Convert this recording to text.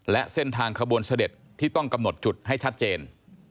และเส้นทางขบวนเสด็จที่ต้องกำหนดจุดให้ชัดเจน